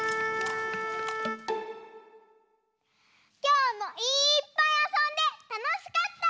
きょうもいっぱいあそんでたのしかった！